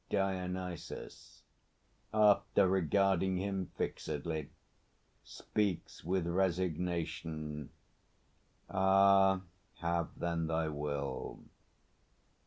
DIONYSUS (after regarding him fixedly, speaks with resignation). Ah! Have then thy will!